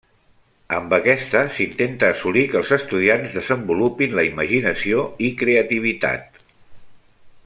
Amb aquesta s'intenta assolir que els estudiants desenvolupin la imaginació i creativitat.